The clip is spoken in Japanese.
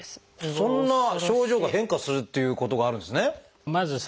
そんな症状が変化するっていうことがあるんですね。